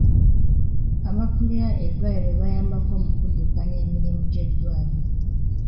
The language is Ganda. Abakulira eddwaliro bayambako mu kuddukanya emirimu gy'eddwaliro.